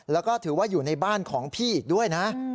แล้วก็ถือว่าอยู่ในบ้านของพี่อีกด้วยนะ